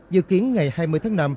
dự kiến ngày hai mươi tháng năm